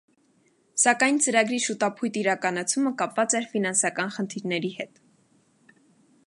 Սակայն ծրագրի շուտափույթ իրականացումը կապված էր ֆինանսական խնդիրների հետ։